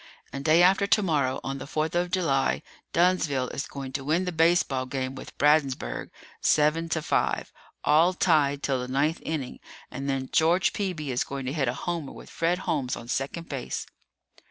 And day after tomorrow, on the Fourth of July, Dunnsville is going to win the baseball game with Bradensburg, seven to five, all tied till the ninth inning, and then George Peeby is going to hit a homer with Fred Holmes on second base."